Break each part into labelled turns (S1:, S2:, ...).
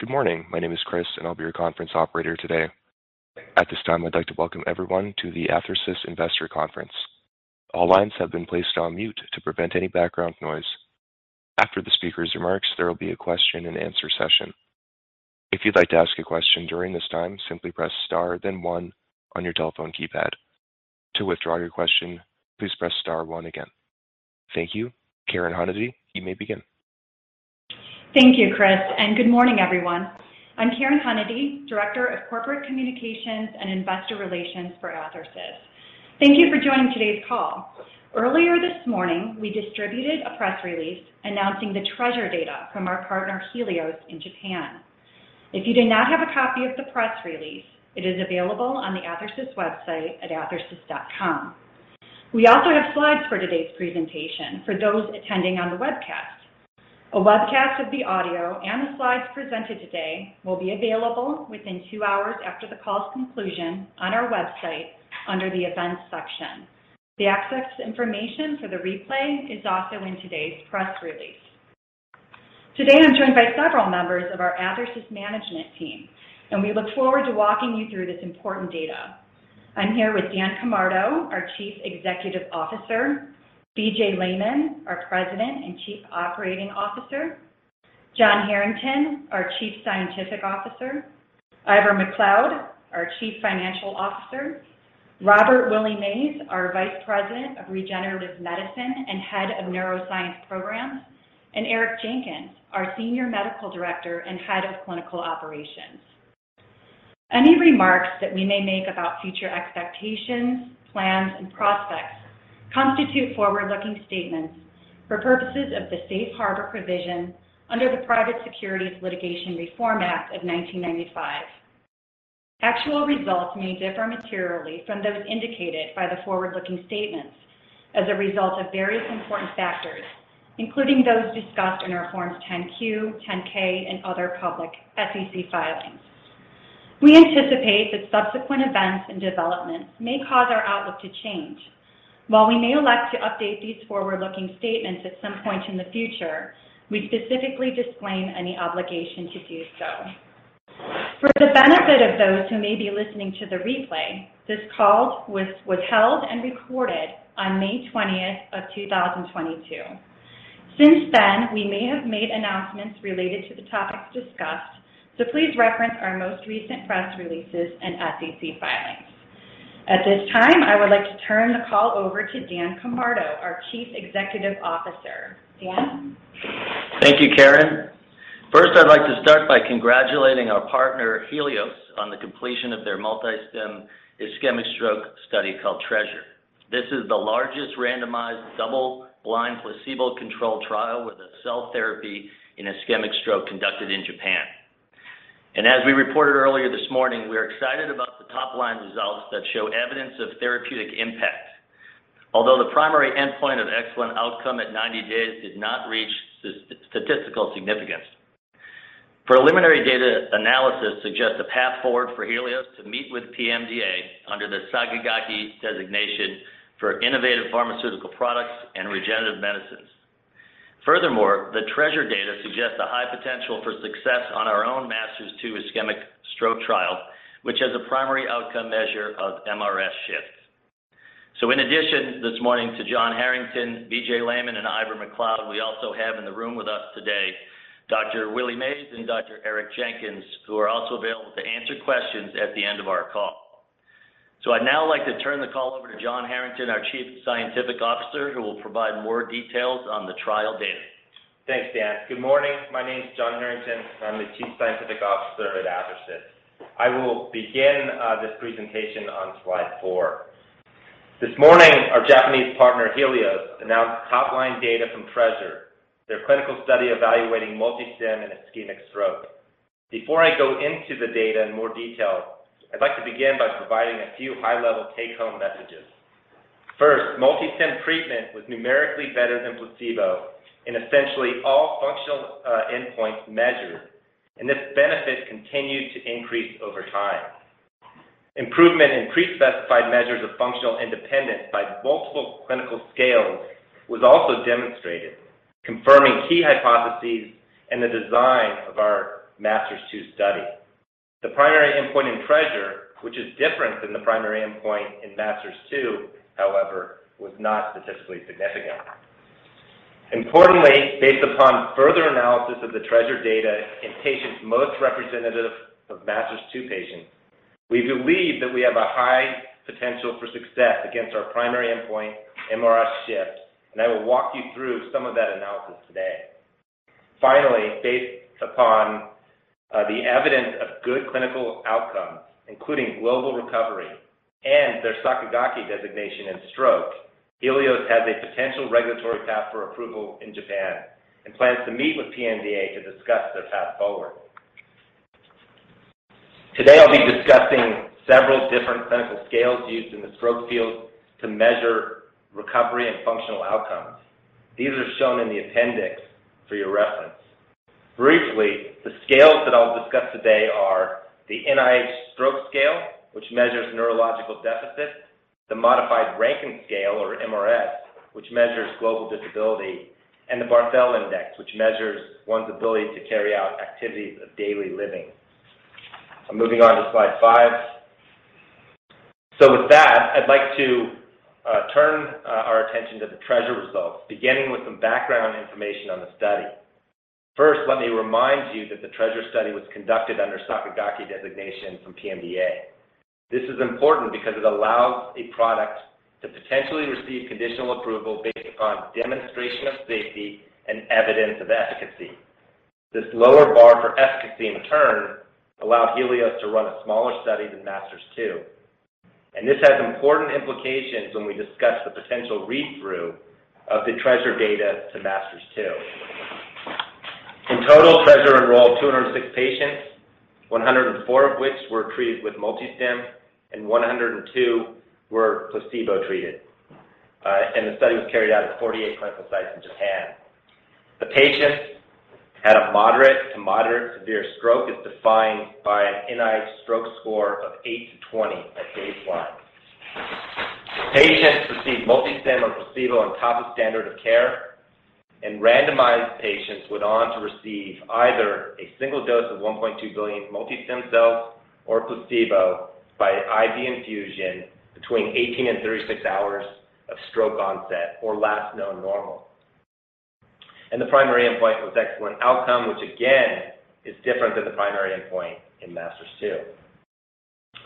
S1: Good morning. My name is Chris, and I'll be your conference operator today. At this time, I'd like to welcome everyone to the Athersys Investor Conference. All lines have been placed on mute to prevent any background noise. After the speaker's remarks, there will be a question and answer session. If you'd like to ask a question during this time, simply press star then one on your telephone keypad. To withdraw your question, please press star one again. Thank you. Karen Hunady, you may begin.
S2: Thank you, Chris, and good morning, everyone. I'm Karen Hunady, Director of Corporate Communications and Investor Relations for Athersys. Thank you for joining today's call. Earlier this morning, we distributed a press release announcing the TREASURE data from our partner, Healios, in Japan. If you do not have a copy of the press release, it is available on the Athersys website at athersys.com. We also have slides for today's presentation for those attending on the webcast. A webcast of the audio and the slides presented today will be available within two hours after the call's conclusion on our website under the Events section. The access information for the replay is also in today's press release. Today, I'm joined by several members of our Athersys management team, and we look forward to walking you through this important data. I'm here with Dan Camardo, our Chief Executive Officer, B.J. Lehmann, our President and Chief Operating Officer, John Harrington, our Chief Scientific Officer, Ivor Macleod, our Chief Financial Officer, Robert (Willie) Mays, our Vice President of Regenerative Medicine and Head of Neuroscience Programs, and Eric Jenkins, our Senior Medical Director and Head of Clinical Operations. Any remarks that we may make about future expectations, plans, and prospects constitute forward-looking statements for purposes of the safe harbor provision under the Private Securities Litigation Reform Act of 1995. Actual results may differ materially from those indicated by the forward-looking statements as a result of various important factors, including those discussed in our forms 10-Q, 10-K, and other public SEC filings. We anticipate that subsequent events and developments may cause our outlook to change. While we may elect to update these forward-looking statements at some point in the future, we specifically disclaim any obligation to do so. For the benefit of those who may be listening to the replay, this call was held and recorded on May 20, 2022. Since then, we may have made announcements related to the topics discussed, so please reference our most recent press releases and SEC filings. At this time, I would like to turn the call over to Dan Camardo, our Chief Executive Officer. Dan.
S3: Thank you, Karen. First, I'd like to start by congratulating our partner, Healios, on the completion of their MultiStem ischemic stroke study called TREASURE. This is the largest randomized double-blind placebo-controlled trial with a cell therapy in ischemic stroke conducted in Japan. As we reported earlier this morning, we are excited about the top-line results that show evidence of therapeutic impact. Although the primary endpoint of excellent outcome at 90 days did not reach statistical significance. Preliminary data analysis suggests a path forward for Healios to meet with PMDA under the Sakigake designation for innovative pharmaceutical products and regenerative medicines. Furthermore, the TREASURE data suggests a high potential for success on our own MASTERS-2 ischemic stroke trial, which has a primary outcome measure of mRS shifts. In addition, this morning to John Harrington, B.J. Lehmann, and Ivor Macleod, we also have in the room with us today, Dr. Willie Mays and Dr. Eric Jenkins, who are also available to answer questions at the end of our call. I'd now like to turn the call over to John Harrington, our Chief Scientific Officer, who will provide more details on the trial data.
S4: Thanks, Dan. Good morning. My name is John Harrington. I'm the Chief Scientific Officer at Athersys. I will begin this presentation on slide four. This morning, our Japanese partner, Healios, announced top-line data from TREASURE, their clinical study evaluating MultiStem in ischemic stroke. Before I go into the data in more detail, I'd like to begin by providing a few high-level take-home messages. First, MultiStem treatment was numerically better than placebo in essentially all functional endpoints measured, and this benefit continued to increase over time. Improvement in prespecified measures of functional independence by multiple clinical scales was also demonstrated, confirming key hypotheses in the design of our MASTERS-2 study. The primary endpoint in TREASURE, which is different than the primary endpoint in MASTERS-2, however, was not statistically significant. Importantly, based upon further analysis of the TREASURE data in patients most representative of MASTERS-2 patients, we believe that we have a high potential for success against our primary endpoint mRS shift, and I will walk you through some of that analysis today. Finally, based upon the evidence of good clinical outcomes, including global recovery and their Sakigake designation and stroke, Healios has a potential regulatory path for approval in Japan and plans to meet with PMDA to discuss their path forward. Today, I'll be discussing several different clinical scales used in the stroke field to measure recovery and functional outcomes. These are shown in the appendix for your reference. Briefly, the scales that I'll discuss today are the NIH, which measures neurological deficits, the modified Rankin Scale or mRS, which measures global disability, and the Barthel Index, which measures one's ability to carry out activities of daily living. I'm moving on to slide five. With that, I'd like to turn our attention to the TREASURE results, beginning with some background information on the study. First, let me remind you that the TREASURE study was conducted under Sakigake designation from PMDA. This is important because it allows a product to potentially receive conditional approval based upon demonstration of safety and evidence of efficacy. This lower bar for efficacy, in turn, allowed Healios to run a smaller study than MASTERS-2. This has important implications when we discuss the potential read-through of the TREASURE data to MASTERS-2. In total, TREASURE enrolled 206 patients, 104 of which were treated with MultiStem, and 102 were placebo-treated. The study was carried out at 48 clinical sites in Japan. The patients had a moderate to moderately severe stroke, as defined by an NIH Stroke Scale of eight-20 at baseline. Patients received MultiStem or placebo on top of standard of care, and randomized patients went on to receive either a single dose of 1.2 billion MultiStem cells or placebo by IV infusion between 18-36 hours of stroke onset or last known normal. The primary endpoint was Excellent Outcome, which again is different than the primary endpoint in MASTERS-2.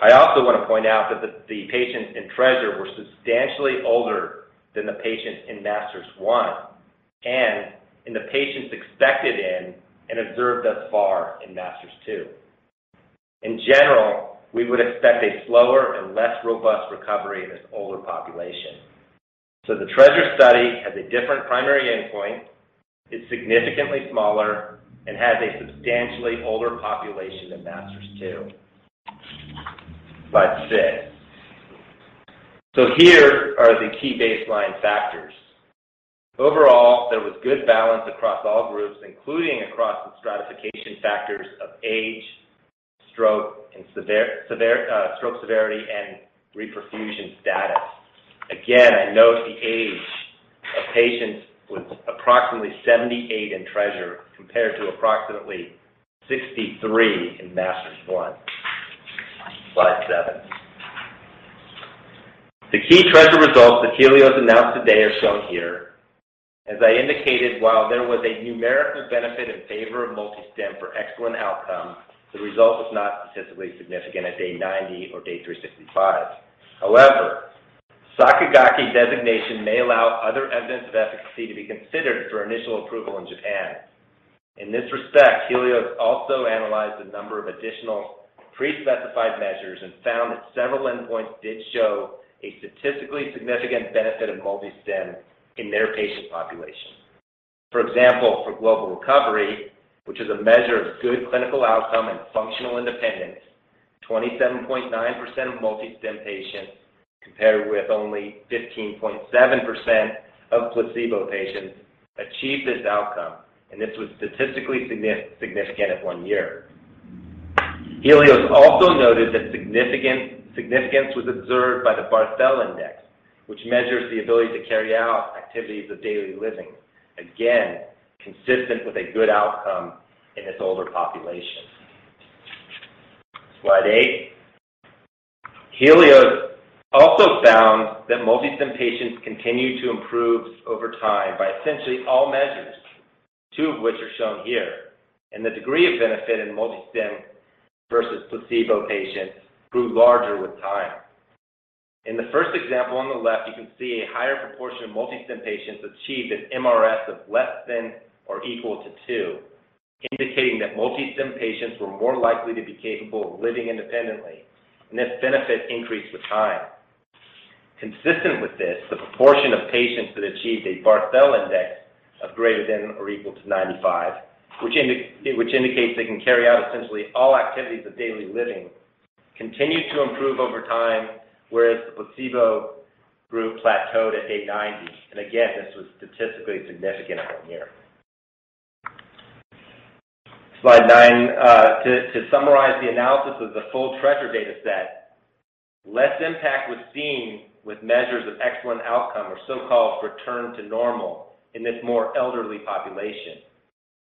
S4: I also want to point out that the patients in TREASURE were substantially older than the patients in MASTERS-1 and in the patients expected in and observed thus far in MASTERS-2. In general, we would expect a slower and less robust recovery in this older population. The TREASURE study has a different primary endpoint, is significantly smaller, and has a substantially older population than MASTERS-2. Slide six. Here are the key baseline factors. Overall, there was good balance across all groups, including across the stratification factors of age, stroke severity, and reperfusion status. Again, I note the age of patients was approximately 78 in TREASURE compared to approximately 63 in MASTERS-1. Slide seven. The key TREASURE results that Healios announced today are shown here. As I indicated, while there was a numerical benefit in favor of MultiStem for Excellent Outcome, the result was not statistically significant at day 90 or day 365. However, Sakigake designation may allow other evidence of efficacy to be considered for initial approval in Japan. In this respect, Healios also analyzed a number of additional pre-specified measures and found that several endpoints did show a statistically significant benefit of MultiStem in their patient population. For example, for Global Recovery, which is a measure of good clinical outcome and functional independence, 27.9% of MultiStem patients compared with only 15.7% of placebo patients achieved this outcome, and this was statistically significant at one year. Healios also noted that significance was observed by the Barthel Index, which measures the ability to carry out activities of daily living. Again, consistent with a good outcome in this older population. Slide eight. Healios also found that MultiStem patients continued to improve over time by essentially all measures, two of which are shown here, and the degree of benefit in MultiStem versus placebo patients grew larger with time. In the first example on the left, you can see a higher proportion of MultiStem patients achieved an mRS of less than or equal to two, indicating that MultiStem patients were more likely to be capable of living independently, and this benefit increased with time. Consistent with this, the proportion of patients that achieved a Barthel Index of greater than or equal to 95, which indicates they can carry out essentially all activities of daily living, continued to improve over time, whereas the placebo group plateaued at day 90. Again, this was statistically significant at one year. Slide nine. To summarize the analysis of the full TREASURE data set, less impact was seen with measures of Excellent Outcome or so-called return to normal in this more elderly population.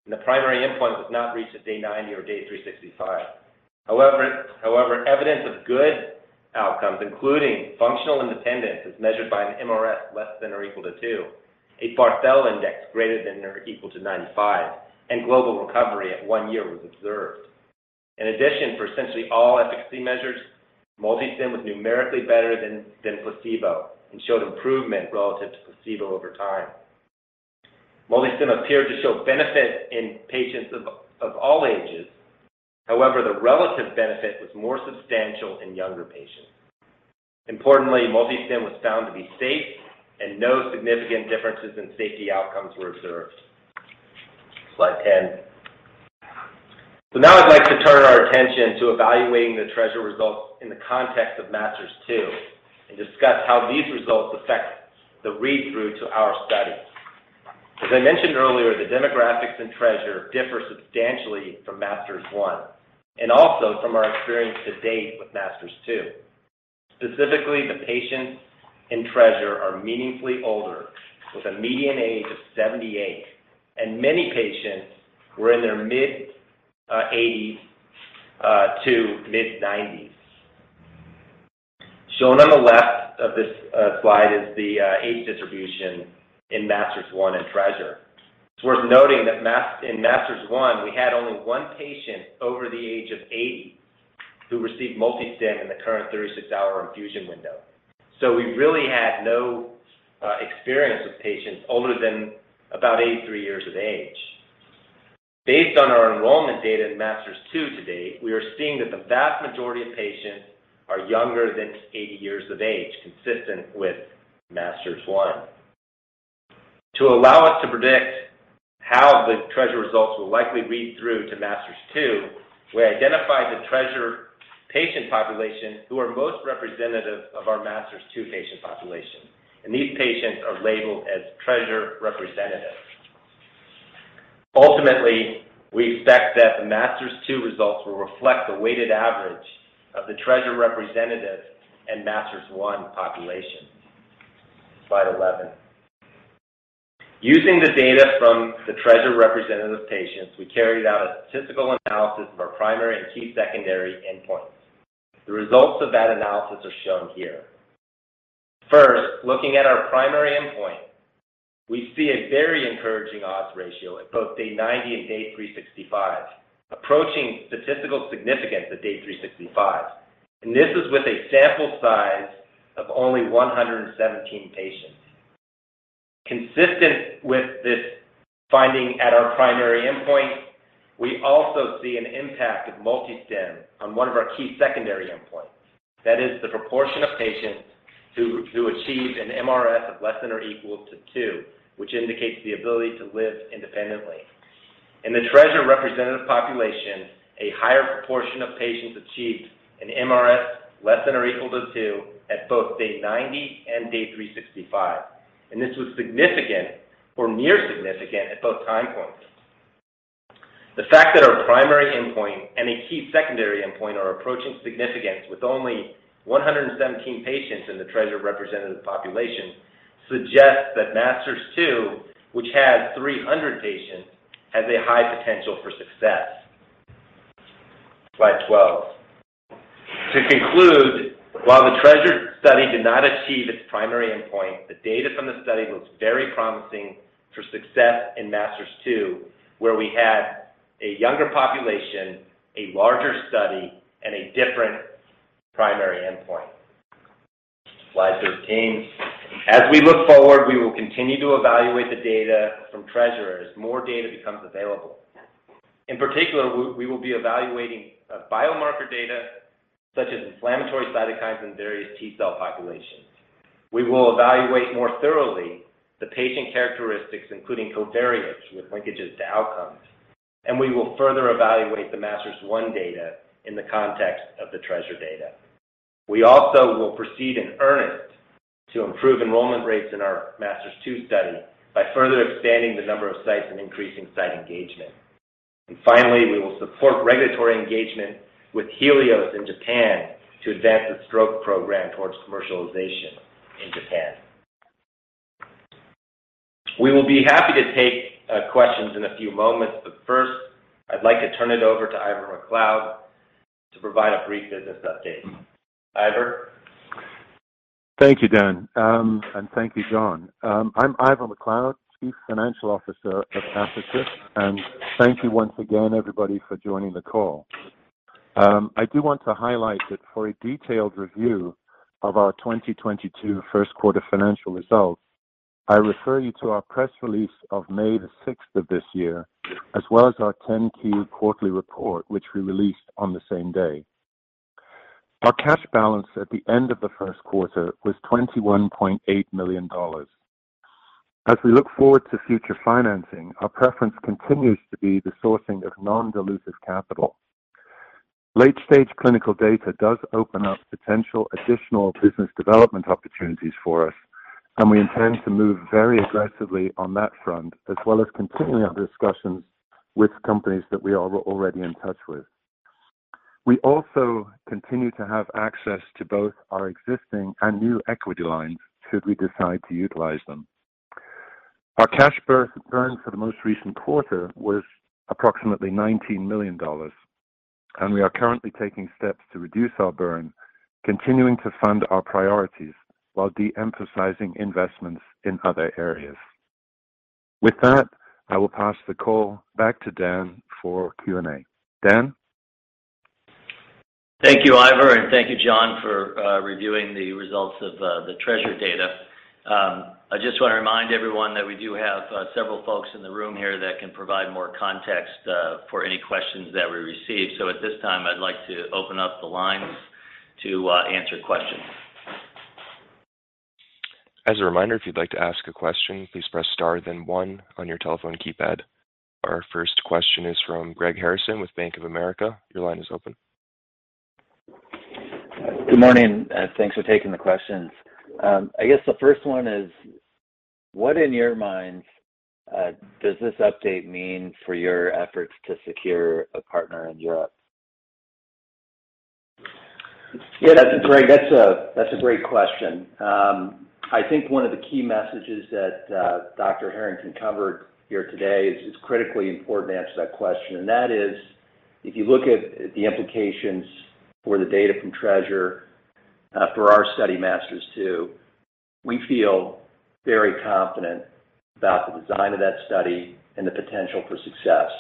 S4: The primary endpoint was not reached at day 90 or day 365. However, evidence of good outcomes, including functional independence as measured by an mRS less than or equal to two, a Barthel Index greater than or equal to 95, and global recovery at one year was observed. In addition, for essentially all efficacy measures, MultiStem was numerically better than placebo and showed improvement relative to placebo over time. MultiStem appeared to show benefit in patients of all ages. However, the relative benefit was more substantial in younger patients. Importantly, MultiStem was found to be safe and no significant differences in safety outcomes were observed. Slide 10. Now I'd like to turn our attention to evaluating the TREASURE results in the context of MASTERS-2 and discuss how these results affect the read-through to our study. As I mentioned earlier, the demographics in TREASURE differ substantially from MASTERS-1 and also from our experience to date with MASTERS-2. Specifically, the patients in TREASURE are meaningfully older, with a median age of 78, and many patients were in their mid-80s to mid-90s. Shown on the left of this slide is the age distribution in MASTERS-1 and TREASURE. It's worth noting that in MASTERS-1, we had only one patient over the age of 80 who received MultiStem in the current 36-hour infusion window. We really had no experience with patients older than about 83 years of age. Based on our enrollment data in MASTERS-2 to date, we are seeing that the vast majority of patients are younger than 80 years of age, consistent with MASTERS-1. To allow us to predict how the TREASURE results will likely read through to MASTERS-2, we identified the TREASURE patient population who are most representative of our MASTERS-2 patient population, and these patients are labeled as TREASURE representative. Ultimately, we expect that the MASTERS-2 results will reflect the weighted average of the TREASURE representative and MASTERS-1 population. Slide 11. Using the data from the TREASURE representative patients, we carried out a statistical analysis of our primary and key secondary endpoints. The results of that analysis are shown here. First, looking at our primary endpoint, we see a very encouraging odds ratio at both day 90 and day 365, approaching statistical significance at day 365. This is with a sample size of only 117 patients. Consistent with this finding at our primary endpoint, we also see an impact of MultiStem on one of our key secondary endpoints. That is the proportion of patients who achieve an mRS of less than or equal to two, which indicates the ability to live independently. In the TREASURE representative population, a higher proportion of patients achieved an mRS less than or equal to two at both day 90 and day 365, and this was significant or near significant at both time points. The fact that our primary endpoint and a key secondary endpoint are approaching significance with only 117 patients in the TREASURE representative population suggests that MASTERS-2, which had 300 patients, has a high potential for success. Slide 12. To conclude, while the TREASURE study did not achieve its primary endpoint, the data from the study looks very promising for success in MASTERS-2, where we had a younger population, a larger study, and a different primary endpoint. Slide 13. As we look forward, we will continue to evaluate the data from TREASURE as more data becomes available. In particular, we will be evaluating biomarker data such as inflammatory cytokines and various T-cell populations. We will evaluate more thoroughly the patient characteristics, including covariates with linkages to outcomes, and we will further evaluate the MASTERS-1 data in the context of the TREASURE data. We also will proceed in earnest to improve enrollment rates in our MASTERS-2 study by further expanding the number of sites and increasing site engagement. Finally, we will support regulatory engagement with Healios in Japan to advance the stroke program towards commercialization in Japan. We will be happy to take questions in a few moments, but first, I'd like to turn it over to Ivor Macleod to provide a brief business update. Ivor.
S5: Thank you, Dan. Thank you, John. I'm Ivor Macleod, Chief Financial Officer of Athersys, and thank you once again, everybody, for joining the call. I do want to highlight that for a detailed review of our 2022 first quarter financial results, I refer you to our press release of May 6 of this year, as well as our 10-Q quarterly report, which we released on the same day. Our cash balance at the end of the first quarter was $21.8 million. As we look forward to future financing, our preference continues to be the sourcing of non-dilutive capital. Late-stage clinical data does open up potential additional business development opportunities for us, and we intend to move very aggressively on that front, as well as continuing our discussions with companies that we are already in touch with. We also continue to have access to both our existing and new equity lines should we decide to utilize them. Our cash burn for the most recent quarter was approximately $19 million, and we are currently taking steps to reduce our burn, continuing to fund our priorities while de-emphasizing investments in other areas. With that, I will pass the call back to Dan for Q&A. Dan?
S3: Thank you, Ivor, and thank you, John, for reviewing the results of the TREASURE data. I just wanna remind everyone that we do have several folks in the room here that can provide more context for any questions that we receive. At this time, I'd like to open up the lines to answer questions.
S1: As a reminder, if you'd like to ask a question, please press star then one on your telephone keypad. Our first question is from Greg Harrison with Bank of America. Your line is open.
S6: Good morning. Thanks for taking the questions. I guess the first one is, what in your minds does this update mean for your efforts to secure a partner in Europe?
S3: That's a great question. I think one of the key messages that John Harrington covered here today is it's critically important to answer that question. That is, if you look at the implications for the data from TREASURE for our study MASTERS-2, we feel very confident about the design of that study and the potential for success.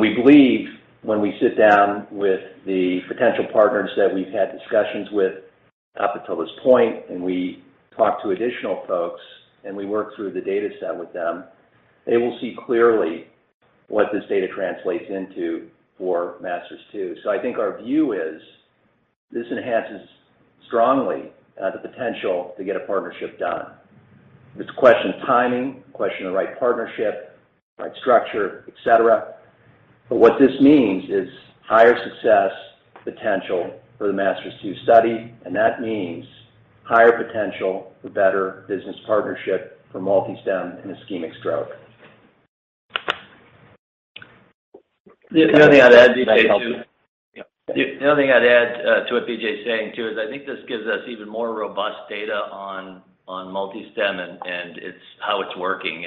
S3: We believe when we sit down with the potential partners that we've had discussions with up until this point, and we talk to additional folks, and we work through the data set with them, they will see clearly what this data translates into for MASTERS-2. I think our view is this enhances strongly the potential to get a partnership done. It's a question of timing, a question of the right partnership, right structure, et cetera. what this means is higher success potential for the MASTERS-2 study, and that means higher potential for better business partnership for MultiStem in ischemic stroke.
S7: The only thing I'd add, B.J. Lehmann, too.
S3: That helps. Yeah.
S7: The only thing I'd add to what B.J.'s saying too is I think this gives us even more robust data on MultiStem and it's how it's working.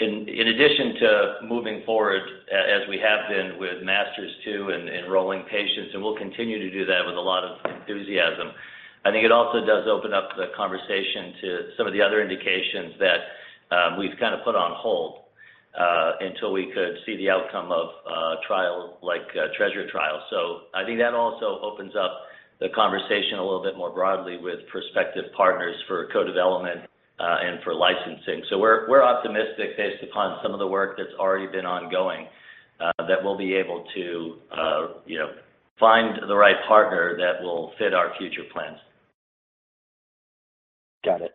S7: In addition to moving forward as we have been with MASTERS-2 and enrolling patients, and we'll continue to do that with a lot of enthusiasm, I think it also does open up the conversation to some of the other indications that we've kinda put on hold until we could see the outcome of a trial like a TREASURE trial. I think that also opens up the conversation a little bit more broadly with prospective partners for co-development and for licensing. We're optimistic based upon some of the work that's already been ongoing that we'll be able to you know find the right partner that will fit our future plans.
S6: Got it.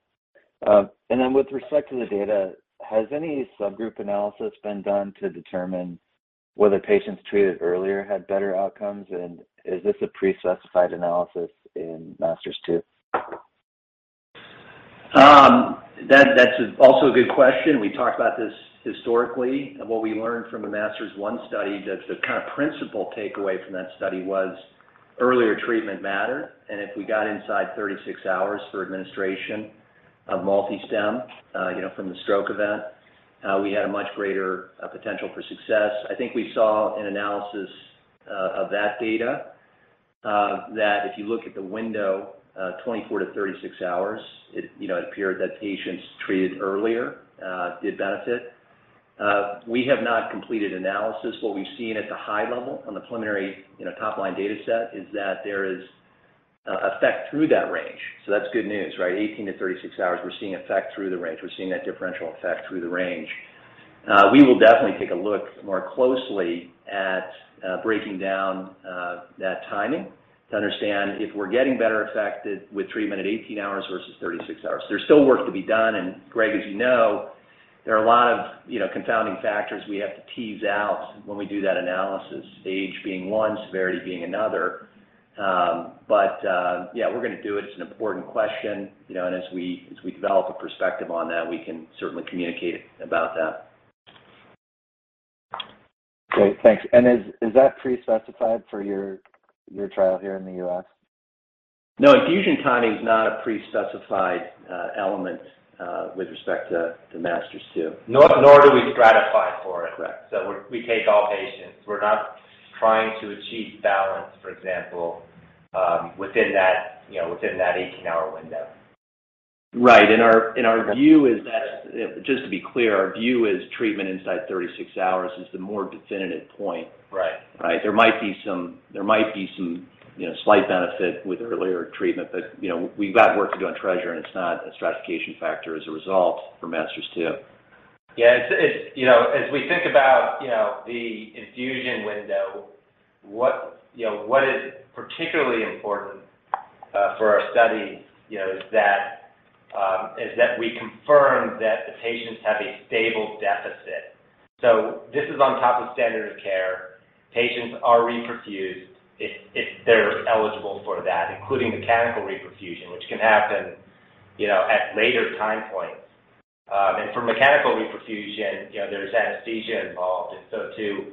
S6: With respect to the data, has any subgroup analysis been done to determine whether patients treated earlier had better outcomes? Is this a pre-specified analysis in MASTERS-2?
S3: That's also a good question. We talked about this historically and what we learned from the MASTERS-1 study, that the kind of principal takeaway from that study was earlier treatment mattered. If we got inside 36 hours for administration of MultiStem, you know, from the stroke event, we had a much greater potential for success. I think we saw an analysis of that data that if you look at the window 24-36 hours, you know, it appeared that patients treated earlier did benefit. We have not completed analysis. What we've seen at the high level on the preliminary, you know, top-line data set is that there is effect through that range. That's good news, right? 18-36 hours, we're seeing effect through the range. We're seeing that differential effect through the range. We will definitely take a look more closely at breaking down that timing to understand if we're getting better effect with treatment at 18 hours versus 36 hours. There's still work to be done. Greg, as you know, there are a lot of, you know, confounding factors we have to tease out when we do that analysis, age being one, severity being another. Yeah, we're gonna do it. It's an important question, you know. As we develop a perspective on that, we can certainly communicate about that.
S6: Great. Thanks. Is that pre-specified for your trial here in the U.S.?
S3: No. Infusion timing is not a pre-specified element with respect to MASTERS-2.
S7: Nor do we stratify for it.
S3: Correct.
S7: We take all patients. We're not trying to achieve balance, for example, within that, you know, within that 18-hour window.
S3: Right. Just to be clear, our view is treatment inside 36 hours is the more definitive point.
S7: Right.
S3: Right? There might be some, you know, slight benefit with earlier treatment. You know, we've got work to do on TREASURE, and it's not a stratification factor as a result for MASTERS-2.
S7: Yeah. It's you know as we think about you know the infusion window what you know what is particularly important for our study you know is that we confirm that the patients have a stable deficit. This is on top of standard of care. Patients are reperfused if they're eligible for that, including mechanical reperfusion, which can happen you know at later time points. For mechanical reperfusion you know there's anesthesia involved. To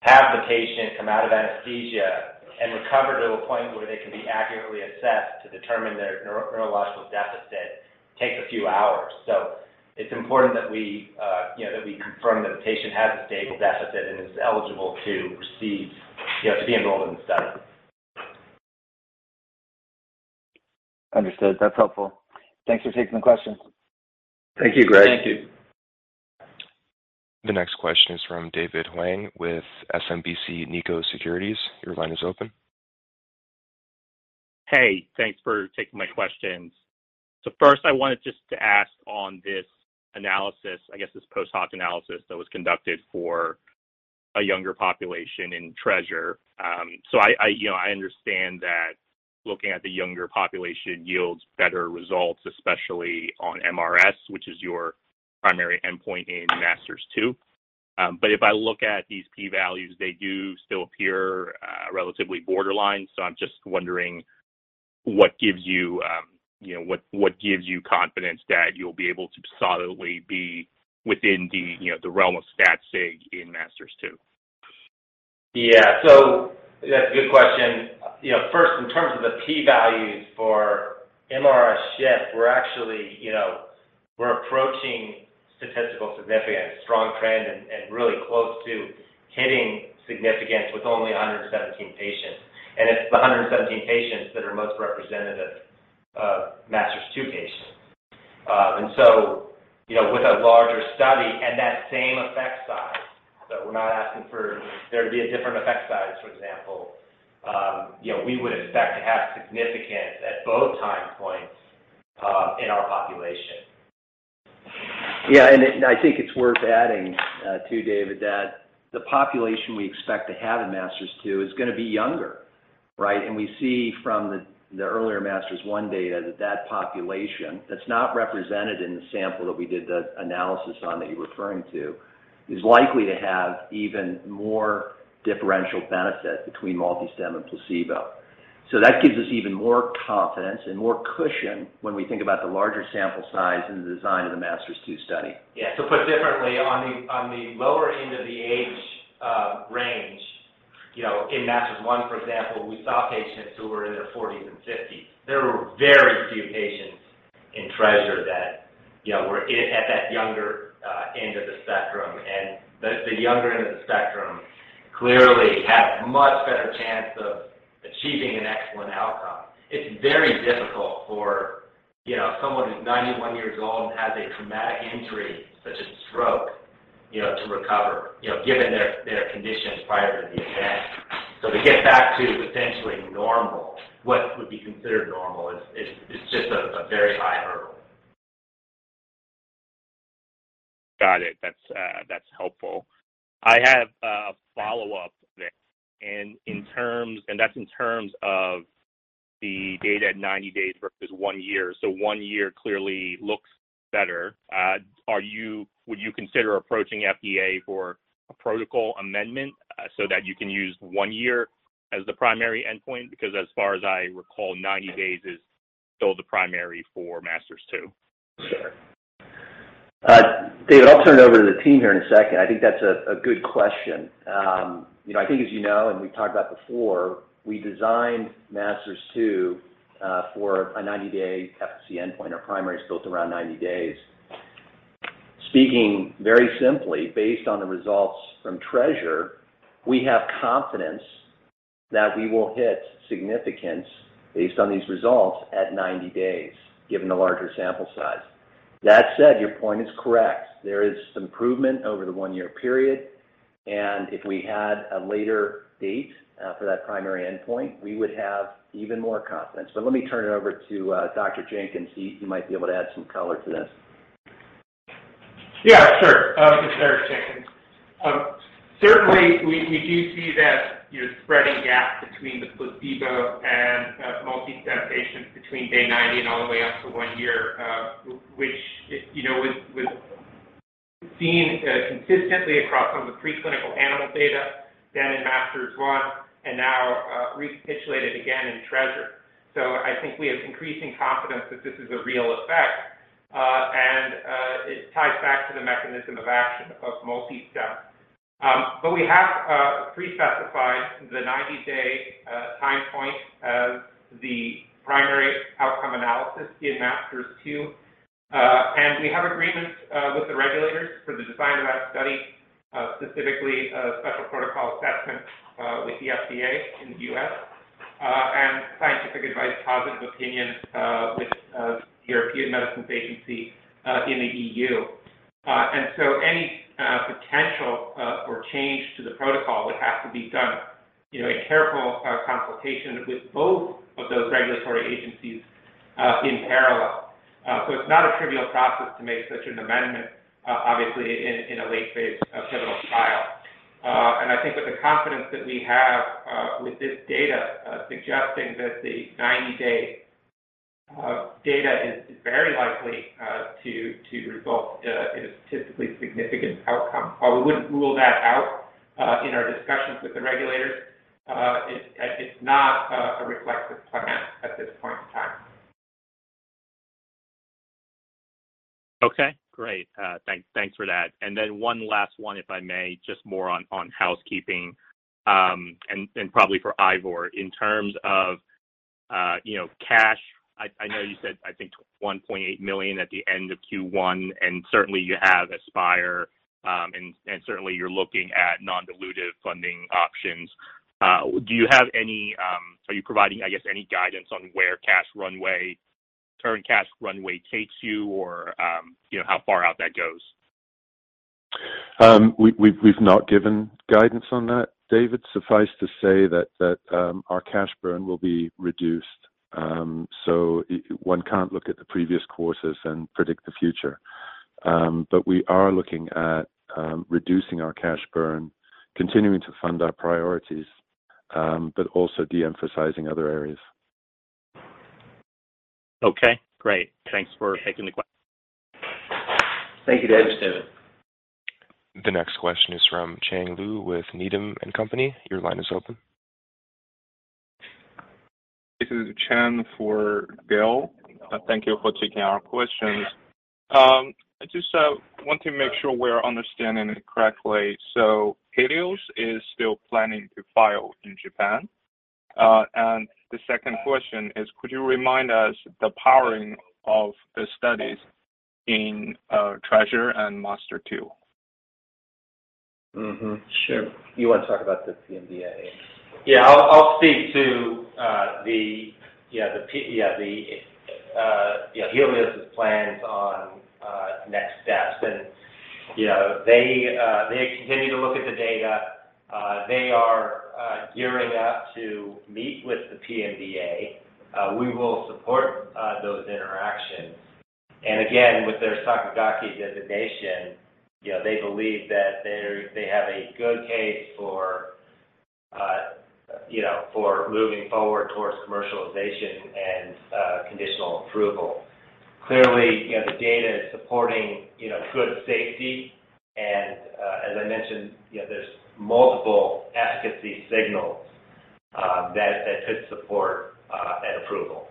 S7: have the patient come out of anesthesia and recover to a point where they can be accurately assessed to determine their neurological deficit takes a few hours. It's important that we you know that we confirm that the patient has a stable deficit and is eligible to receive you know to be enrolled in the study.
S6: Understood. That's helpful. Thanks for taking the question.
S3: Thank you, Greg.
S7: Thank you.
S1: The next question is from David Hoang with SMBC Nikko Securities. Your line is open.
S8: Hey. Thanks for taking my questions. First, I wanted just to ask on this analysis, I guess this post-hoc analysis that was conducted for a younger population in TREASURE. You know, I understand that looking at the younger population yields better results, especially on mRS, which is your primary endpoint in MASTERS-2. If I look at these P values, they do still appear relatively borderline. I'm just wondering what gives you know, what gives you confidence that you'll be able to solidly be within the, you know, the realm of stat sig in MASTERS-2?
S4: Yeah. That's a good question. You know, first, in terms of the P values for mRS shift, we're actually, you know, we're approaching statistical significance, strong trend, and really close to hitting significance with only 117 patients. It's the 117 patients that are most representative of MASTERS-2 patients. You know, with a larger study and that same effect size, we're not asking for there to be a different effect size, for example, you know, we would expect to have significance at both time points in our population.
S3: I think it's worth adding, too, David, that the population we expect to have in Masters 2 is gonna be younger, right? We see from the earlier Masters 1 data that the population that's not represented in the sample that we did the analysis on that you're referring to is likely to have even more differential benefit between MultiStem and placebo. That gives us even more confidence and more cushion when we think about the larger sample size and the design of the Masters 2 study.
S4: To put differently, on the lower end of the age range, you know, in Masters 1, for example, we saw patients who were in their 40s and 50s. There were very few patients in TREASURE that, you know, were in at that younger end of the spectrum. The younger end of the spectrum clearly have much better chance of achieving an excellent outcome. It's very difficult for, you know, someone who's 91 years old and has a traumatic injury such as stroke, you know, to recover, you know, given their conditions prior to the event. To get back to essentially normal, what would be considered normal. It's just a very high hurdle.
S8: Got it. That's helpful. I have a follow-up there. That's in terms of the data at 90 days versus one year. One year clearly looks better. Would you consider approaching FDA for a protocol amendment, so that you can use one year as the primary endpoint? Because as far as I recall, 90 days is still the primary for Masters 2.
S3: Sure. David, I'll turn it over to the team here in a second. I think that's a good question. You know, I think as you know, and we've talked about before, we designed Masters 2 for a 90-day efficacy endpoint. Our primary is built around 90 days. Speaking very simply, based on the results from TREASURE, we have confidence that we will hit significance based on these results at 90 days, given the larger sample size. That said, your point is correct. There is some improvement over the one-year period, and if we had a later date for that primary endpoint, we would have even more confidence. But let me turn it over to Dr. Jenkins. He might be able to add some color to this.
S9: Yeah, sure. This is Eric Jenkins. Certainly we do see that, you know, spreading gap between the placebo and MultiStem patients between day 90 and all the way up to one year, which, you know, was seen consistently across some of the preclinical animal data, then in MASTERS-1, and now recapitulated again in TREASURE. I think we have increasing confidence that this is a real effect, and it ties back to the mechanism of action of MultiStem. We have pre-specified the 90-day time point as the primary outcome analysis in MASTERS-2. We have agreements with the regulators for the design of that study, specifically Special Protocol Assessment with the FDA in the U.S., and scientific advice, positive opinion with the European Medicines Agency in the E.U. Any potential or change to the protocol would have to be done, you know, in careful consultation with both of those regulatory agencies in parallel. It's not a trivial process to make such an amendment, obviously in a late phase of pivotal trial. I think with the confidence that we have with this data suggesting that the 90-day data is very likely to result in a statistically significant outcome. While we wouldn't rule that out, in our discussions with the regulators, it's not a reflective plan at this point in time.
S8: Okay, great. Thanks for that. One last one, if I may, just more on housekeeping, and probably for Ivor. In terms of you know, cash, I know you said, I think $1.8 million at the end of Q1, and certainly you have Aspire, and certainly you're looking at non-dilutive funding options. Are you providing, I guess, any guidance on where current cash runway takes you or, you know, how far out that goes?
S5: We've not given guidance on that, David. Suffice to say that our cash burn will be reduced. One can't look at the previous quarters and predict the future. We are looking at reducing our cash burn, continuing to fund our priorities, but also de-emphasizing other areas.
S8: Okay, great. Thanks for taking the question.
S3: Thank you, David.
S5: Thanks, David.
S1: The next question is from Gil Blum with Needham & Company. Your line is open.
S10: This is Chen for Gil. Thank you for taking our questions. I just want to make sure we're understanding it correctly. Healios is still planning to file in Japan? And the second question is, could you remind us the powering of the studies in TREASURE and MASTERS-2?
S3: Sure. You wanna talk about the PMDA?
S4: I'll speak to the, you know, Healios' plans on next steps. You know, they continue to look at the data. They are gearing up to meet with the PMDA. We will support those interactions. Again, with their Sakigake designation, you know, they believe that they have a good case for moving forward towards commercialization and conditional approval. Clearly, you know, the data is supporting good safety. As I mentioned, you know, there's multiple efficacy signals that could support an approval.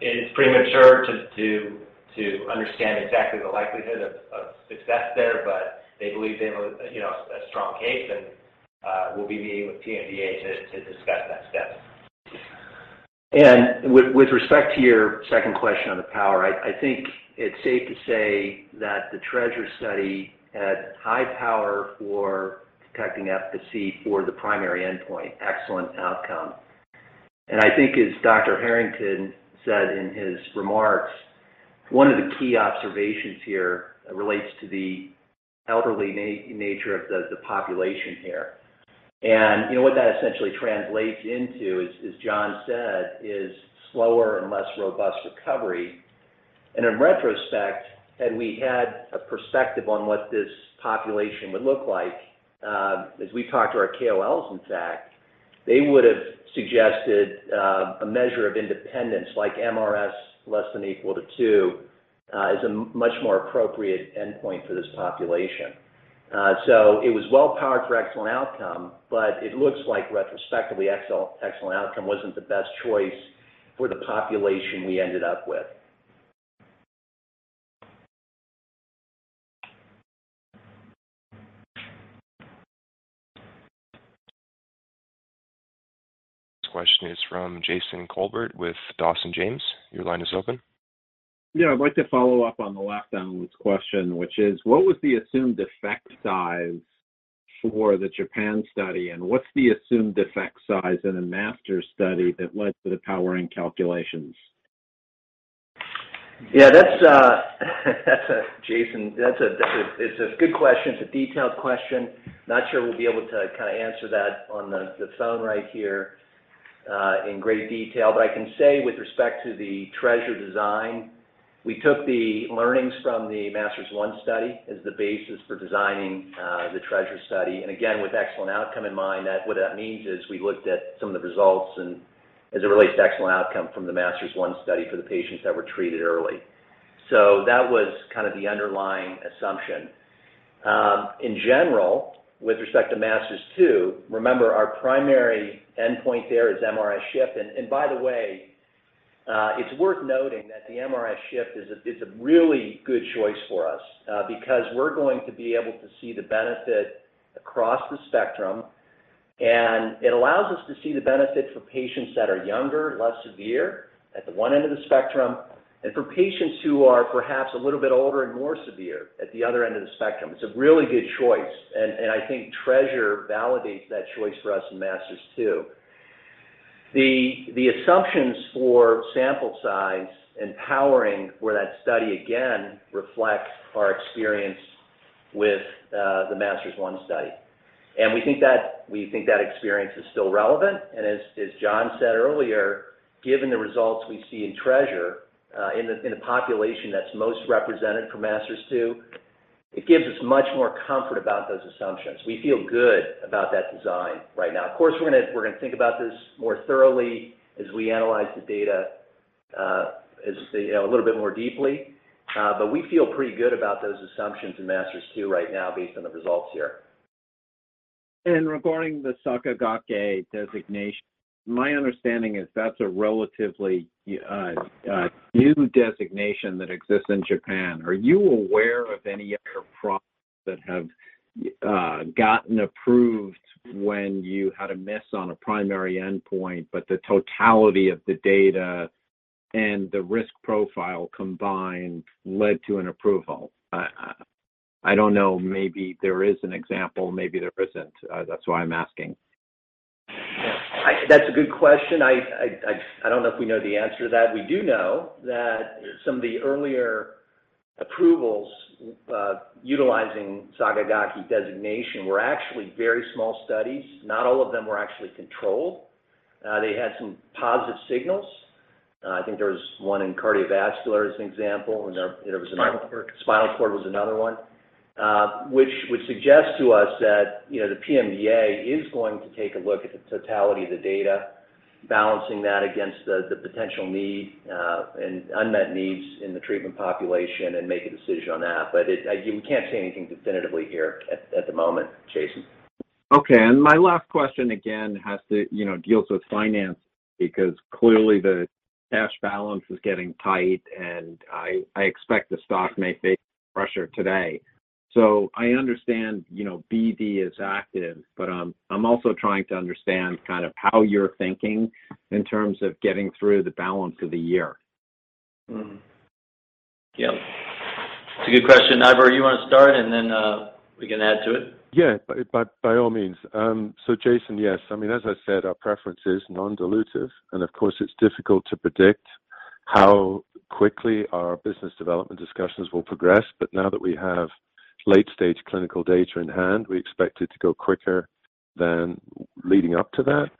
S4: It's premature to understand exactly the likelihood of success there, but they believe they have a strong case, and we'll be meeting with PMDA to discuss next steps.
S3: With respect to your second question on the power, I think it's safe to say that the TREASURE study had high power for detecting efficacy for the primary endpoint, excellent outcome. I think as Dr. Harrington said in his remarks, one of the key observations here relates to the elderly nature of the population here. You know, what that essentially translates into is, as John said, slower and less robust recovery. In retrospect, had we had a perspective on what this population would look like, as we talked to our KOLs, in fact, they would've suggested a measure of independence like mRS less than or equal to two is a much more appropriate endpoint for this population. It was well powered for Excellent Outcome, but it looks like retrospectively Excellent Outcome wasn't the best choice for the population we ended up with.
S1: This question is from Jason Kolbert with Dawson James, your line is open.
S11: Yeah. I'd like to follow up on the last analyst question, which is, what was the assumed effect size for the Japan study, and what's the assumed effect size in the MASTERS study that led to the powering calculations?
S3: Yeah, Jason, that's a good question. It's a detailed question. Not sure we'll be able to kinda answer that on the phone right here in great detail. I can say with respect to the TREASURE design, we took the learnings from the MASTERS-1 study as the basis for designing the TREASURE study. Again, with excellent outcome in mind, that what that means is we looked at some of the results and as it relates to excellent outcome from the MASTERS-1 study for the patients that were treated early. That was kind of the underlying assumption. In general, with respect to MASTERS-2, remember our primary endpoint there is MRS shift. By the way, it's worth noting that the mRS shift is a really good choice for us, because we're going to be able to see the benefit across the spectrum, and it allows us to see the benefit for patients that are younger, less severe at the one end of the spectrum, and for patients who are perhaps a little bit older and more severe at the other end of the spectrum. It's a really good choice and I think TREASURE validates that choice for us in MASTERS-2. The assumptions for sample size and powering for that study, again, reflect our experience with the MASTERS-1 study. We think that experience is still relevant. As John said earlier, given the results we see in TREASURE, in the population that's most represented for MASTERS-2, it gives us much more comfort about those assumptions. We feel good about that design right now. Of course, we're gonna think about this more thoroughly as we analyze the data, you know, a little bit more deeply. But we feel pretty good about those assumptions in MASTERS-2 right now based on the results here.
S11: Regarding the Sakigake designation, my understanding is that's a relatively new designation that exists in Japan. Are you aware of any other products that have gotten approved when you had a miss on a primary endpoint, but the totality of the data and the risk profile combined led to an approval? I don't know, maybe there is an example, maybe there isn't. That's why I'm asking.
S3: Yeah. That's a good question. I don't know if we know the answer to that. We do know that some of the earlier approvals utilizing Sakigake designation were actually very small studies. Not all of them were actually controlled. They had some positive signals. I think there was one in cardiovascular as an example, and, you know, there was another.
S4: Spinal cord.
S3: Spinal cord was another one, which would suggest to us that, you know, the PMDA is going to take a look at the totality of the data, balancing that against the potential need and unmet needs in the treatment population and make a decision on that. You can't say anything definitively here at the moment, Jason.
S11: Okay. My last question, again, has to do with finance because clearly the cash balance is getting tight, and I expect the stock may face pressure today. I understand, you know, BD is active, but I'm also trying to understand kind of how you're thinking in terms of getting through the balance of the year.
S3: Mm-hmm. Yeah. It's a good question. Ivor, you wanna start and then, we can add to it.
S5: Yeah. By all means. Jason, yes, I mean, as I said, our preference is non-dilutive, and of course, it's difficult to predict how quickly our business development discussions will progress. Now that we have late-stage clinical data in hand, we expect it to go quicker than leading up to that.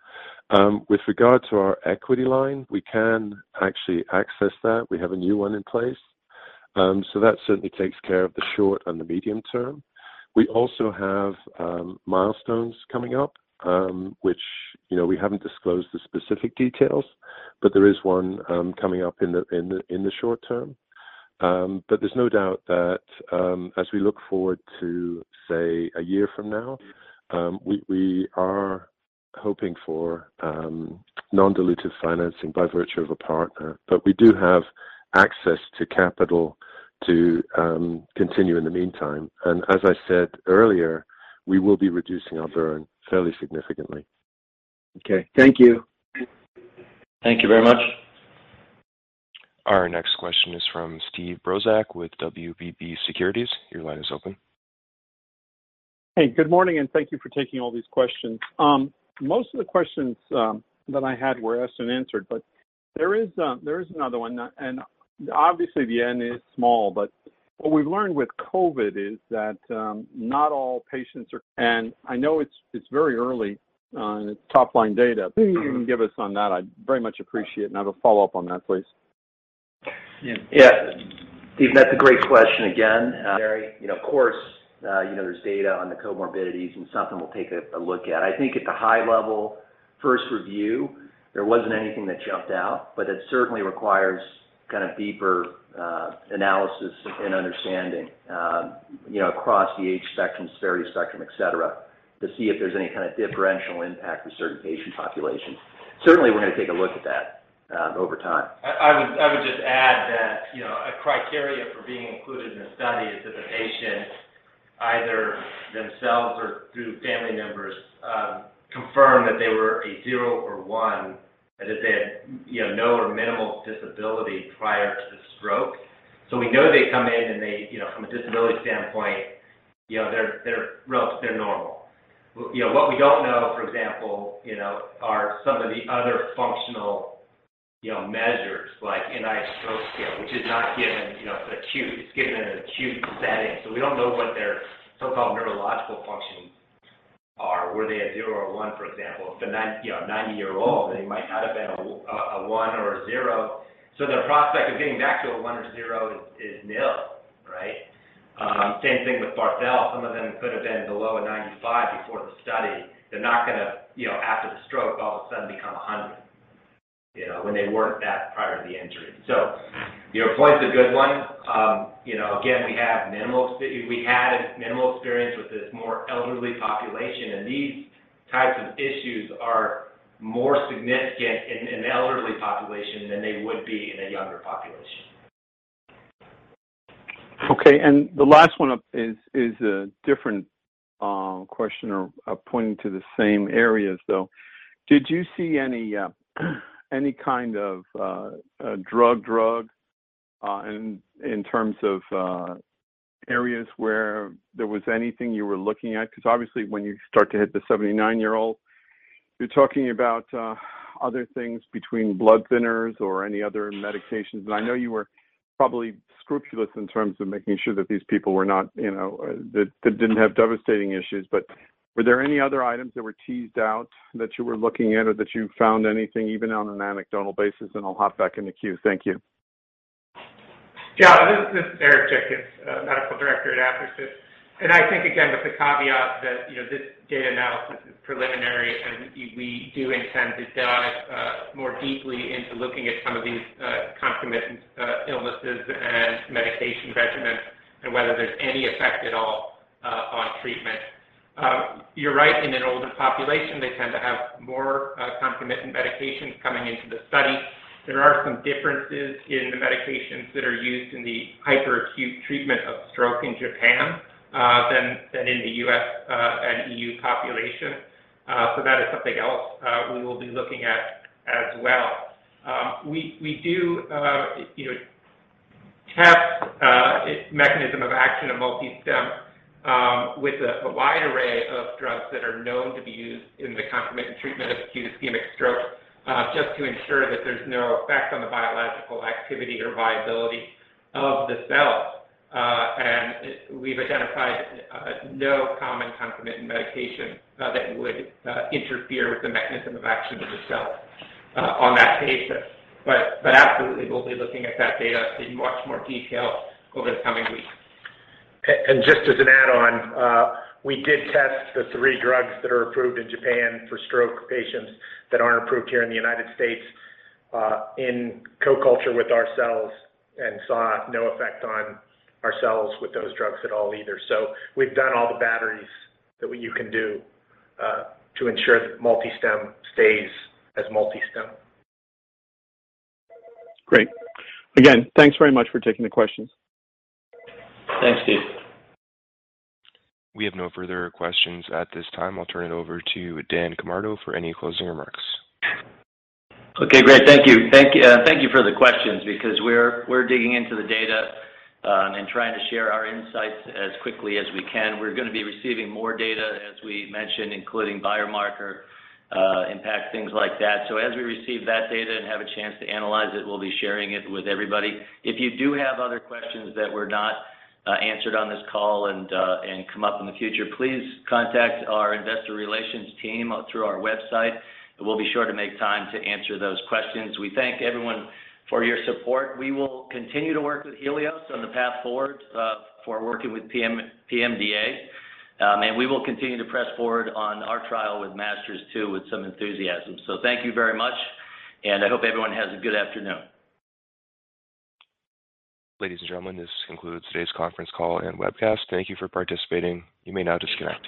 S5: With regard to our equity line, we can actually access that. We have a new one in place. That certainly takes care of the short and the medium term. We also have milestones coming up, which, you know, we haven't disclosed the specific details, but there is one coming up in the short term. There's no doubt that, as we look forward to, say, a year from now, we are hoping for non-dilutive financing by virtue of a partner. We do have access to capital to continue in the meantime. As I said earlier, we will be reducing our burn fairly significantly.
S11: Okay. Thank you.
S3: Thank you very much.
S1: Our next question is from Steve Brozak with WBB Securities. Your line is open.
S12: Hey, good morning, and thank you for taking all these questions. Most of the questions that I had were asked and answered, but there is another one. Obviously, the n is small, but what we've learned with COVID is that not all patients are. I know it's very early on top-line data. If you can give us on that, I'd very much appreciate. I have a follow-up on that, please.
S3: Yeah. Steve, that's a great question again. You know, of course, you know, there's data on the comorbidities and something we'll take a look at. I think at the high level, first review, there wasn't anything that jumped out, but it certainly requires kind of deeper analysis and understanding, you know, across the age spectrum, severity spectrum, et cetera, to see if there's any kind of differential impact with certain patient populations. Certainly, we're gonna take a look at that, over time.
S9: I would just add that, you know, a criteria for being included in the study is that the patient, either themselves or through family members, confirm that they were a zero or one, that they had, you know, no or minimal disability prior to the stroke. So we know they come in and they, you know, from a disability standpoint, you know, they're normal. You know, what we don't know, for example, you know, are some of the other functional, you know, measures like NIH Stroke Scale, which is not given, you know, it's acute. It's given in an acute setting. So we don't know what their so-called neurological function are. Were they a zero or one, for example? If they're nine, you know, a 90-year-old, they might not have been a one or a zero. Their prospect of getting back to a one or zero is nil, right? Same thing with Barthel Index. Some of them could have been below a 95 before the study. They're not gonna, you know, after the stroke, all of a sudden become a 100, you know, when they weren't that prior to the injury. Your point's a good one. You know, again, we had minimal experience with this more elderly population, and these types of issues are more significant in the elderly population than they would be in a younger population.
S12: Okay. The last one is a different question or pointing to the same areas, though. Did you see any kind of drug-drug in terms of areas where there was anything you were looking at? Because obviously when you start to hit the 79-year-old, you're talking about other things between blood thinners or any other medications. I know you were probably scrupulous in terms of making sure that these people were not, you know, that didn't have devastating issues. But were there any other items that were teased out that you were looking at or that you found anything, even on an anecdotal basis? I'll hop back in the queue. Thank you.
S9: Yeah. This is Eric Jenkins, Medical Director at Athersys. I think, again, with the caveat that, you know, this data analysis is preliminary, and we do intend to dive more deeply into looking at some of these concomitant illnesses and medication regimens and whether there's any effect at all on treatment. You're right. In an older population, they tend to have more concomitant medications coming into the study. There are some differences in the medications that are used in the hyperacute treatment of stroke in Japan than in the U.S. and E.U. population. That is something else we will be looking at as well. We do, you know, test mechanism of action of MultiStem with a wide array of drugs that are known to be used in the concomitant treatment of acute ischemic stroke, just to ensure that there's no effect on the biological activity or viability of the cell. We've identified no common concomitant medication that would interfere with the mechanism of action of the cell on that basis. Absolutely, we'll be looking at that data in much more detail over the coming weeks.
S3: Just as an add-on, we did test the three drugs that are approved in Japan for stroke patients that aren't approved here in the United States, in co-culture with our cells and saw no effect on our cells with those drugs at all either. We've done all the batteries that you can do, to ensure that MultiStem stays as MultiStem.
S12: Great. Again, thanks very much for taking the questions.
S3: Thanks, Steve.
S1: We have no further questions at this time. I'll turn it over to Dan Camardo for any closing remarks.
S3: Okay, great. Thank you for the questions because we're digging into the data and trying to share our insights as quickly as we can. We're gonna be receiving more data, as we mentioned, including biomarker impact, things like that. So as we receive that data and have a chance to analyze it, we'll be sharing it with everybody. If you do have other questions that were not answered on this call and come up in the future, please contact our investor relations team through our website. We'll be sure to make time to answer those questions. We thank everyone for your support. We will continue to work with Healios on the path forward for working with PMDA. We will continue to press forward on our trial with MASTERS-2 with some enthusiasm. Thank you very much, and I hope everyone has a good afternoon.
S1: Ladies and gentlemen, this concludes today's conference call and webcast. Thank you for participating. You may now disconnect.